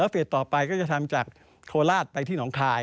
เฟสต่อไปก็จะทำจากโคราชไปที่หนองคาย